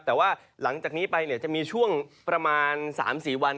แต่ว่าหลังจากนี้ไปจะมีช่วงประมาณ๓๔วัน